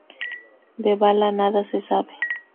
De Bala nada se sabe.